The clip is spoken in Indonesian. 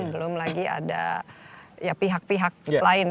belum lagi ada pihak pihak lain